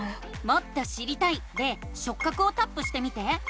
「もっと知りたい」で「しょっ角」をタップしてみて。